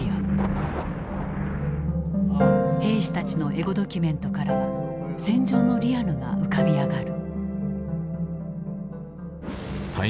兵士たちのエゴドキュメントからは戦場のリアルが浮かび上がる。